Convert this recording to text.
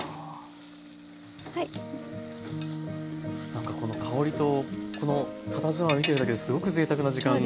何かこの香りとこのたたずまいを見ているだけですごくぜいたくな時間を。